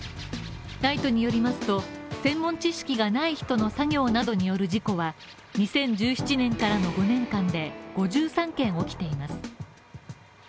ＮＩＴＥによりますと、専門知識がない人の作業などによる事故は２０１７年からの５年間で５３件起きています。